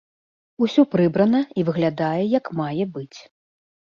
Усё прыбрана і выглядае як мае быць.